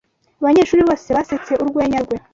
Abanyeshuri bose basetse urwenya rwe.